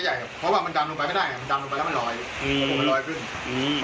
จดถั่วผมแต่ก็ไม่เจอ